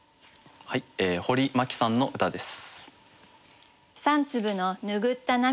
はい堀眞希さんの歌です。